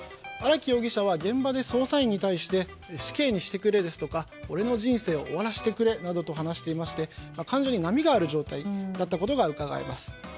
荒木容疑者は現場で捜査員に対して死刑にしてくれですとか俺の人生を終わらせてくれなどと話していまして感情に波がある状態だったことがうかがえます。